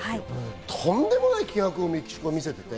とんでもない気迫をメキシコが見せた。